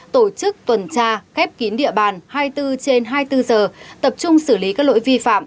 tổ chức tuần tra khép kín địa bàn hai mươi bốn trên hai mươi bốn giờ tập trung xử lý các lỗi vi phạm